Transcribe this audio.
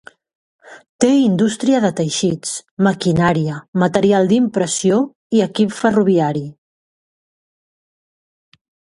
Té indústria de teixits, maquinària, material d'impressió i equip ferroviari.